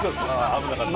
危なかった。